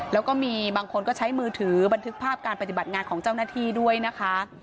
แล้วก็มีบางคนก็ใช้มือถือบันทึกภาพการปฏิบัติงานของเจ้าหน้าที่ด้วยนะคะ